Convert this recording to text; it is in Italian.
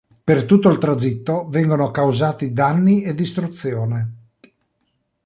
Per tutto il tragitto vengono causati danni e distruzione.